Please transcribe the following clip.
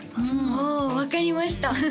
お分かりました